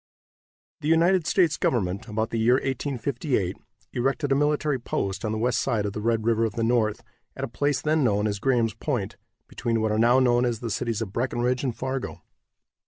The United States government, about the year 1858, erected a military post on the west side of the Red River of the North, at a place then known as Graham's Point, between what are now known as the cities of Breckenridge and Fargo.